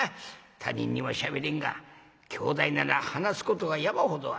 他人にはしゃべれんが兄弟なら話すことが山ほどある。